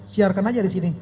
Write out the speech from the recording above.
siarkan aja disini